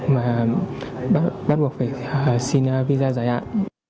mà bắt buộc phải xin visa giải hạn